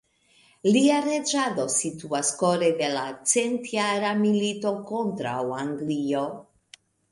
Lia reĝado situas kore de la Centjara milito kontraŭ Anglio.